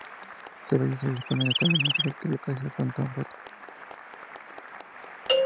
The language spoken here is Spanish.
Sobre ellos se dispone el entablamento, en el que se localiza un Frontón Roto.